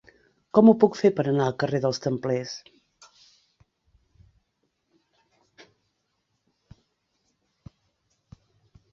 Com ho puc fer per anar al carrer dels Templers?